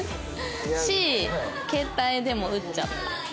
し携帯でも打っちゃった。